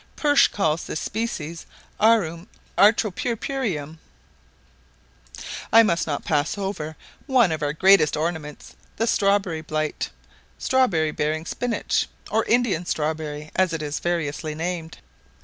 Pursh calls this species Arum atropurpureum. I must not pass over one of our greatest ornaments, the strawberry blite, strawberry bearing spinach, or Indian strawberry, as it is variously named.